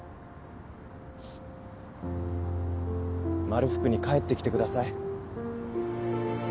まるふくに帰ってきてください。